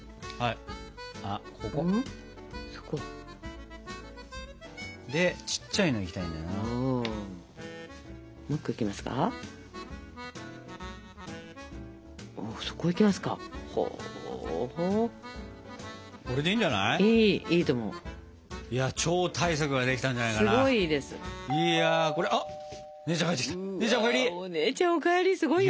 お姉ちゃんお帰りすごいよ。